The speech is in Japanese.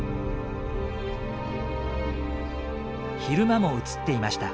昼間も写っていました。